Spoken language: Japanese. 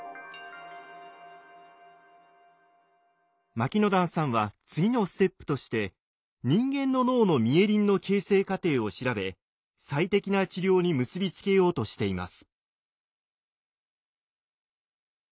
牧之段さんは次のステップとして人間の脳のミエリンの形成過程を調べ最適な治療に結び付けようとしています。